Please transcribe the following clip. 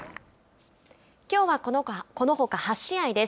きょうはこのほか８試合です。